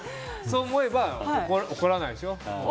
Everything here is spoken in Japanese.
そう思えば怒らないでしょ。